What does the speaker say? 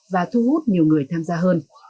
và thu hút nhiều người tham gia hơn